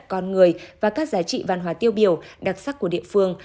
con người và các giá trị văn hóa tiêu biểu đặc sắc của địa phương